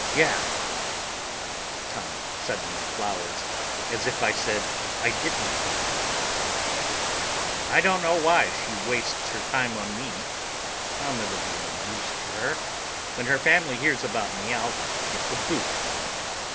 "Yeah." Tom suddenly glowers, as if I'd said I didn't like her. "I don't know why she wastes her time on me. I'll never be any use to her. When her family hears about me, I'll get the boot."